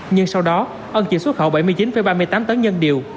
nhưng sau đó ông chỉ xuất khẩu bảy mươi chín ba mươi tám tấn nhân điều